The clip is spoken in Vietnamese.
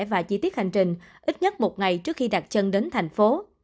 và chi tiết hành trình ít nhất một ngày trước khi đặt chân đến thành phố